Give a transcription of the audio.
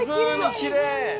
きれい！